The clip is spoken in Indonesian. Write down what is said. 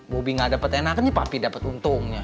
bobi nggak dapet enakan tapi papi dapet untungnya